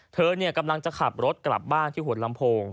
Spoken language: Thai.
เธอกำลังจะขับรถกลับบ้านที่หัวลำโพง